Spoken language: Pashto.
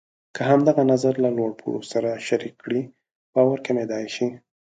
که همدغه نظر له لوړ پوړو سره شریک کړئ، باور کمېدای شي.